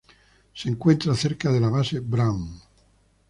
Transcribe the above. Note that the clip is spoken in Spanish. Se encuentra cerca de la base Brown.